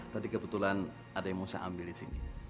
tadi kebetulan ada yang mau saya ambilin sini